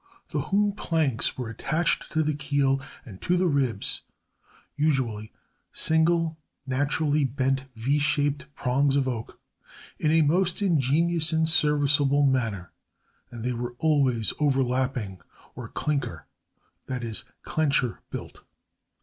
The hewn planks were attached to the keel and to the ribs (usually single, naturally bent V shaped prongs of oak) in a most ingenious and serviceable manner, and they were always overlapping or clinker (i. e., clencher) built.